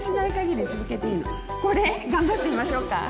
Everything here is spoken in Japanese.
これ頑張ってみましょうか。